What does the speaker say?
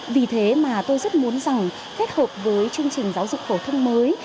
vì thế mà tôi rất muốn rằng kết hợp với chương trình giáo dục phổ thông mới